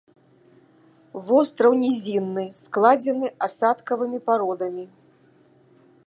Востраў нізінны, складзены асадкавымі пародамі.